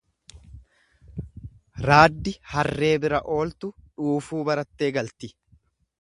Raaddi harree bira ooltu dhuufuu barattee galti.